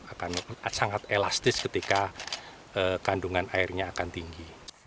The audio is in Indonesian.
akan sangat elastis ketika kandungan airnya akan tinggi